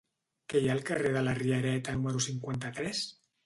Què hi ha al carrer de la Riereta número cinquanta-tres?